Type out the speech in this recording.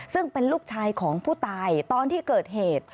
ซึ่งเป็นลูกชายของผู้ตายตอนที่เกิดเหตุ